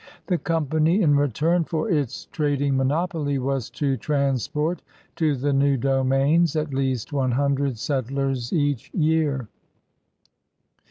The company, in return for its trading monopoly, was to transport to the new domains at least one hundred settlers each year.